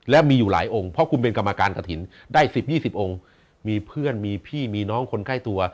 และมีอยู่หลายองค์เพราะคุณเป็นกรรมการกระถิ่นได้๑๐๒๐องค์มีเพื่อนมีพี่มีน้องคนใกล้ตัว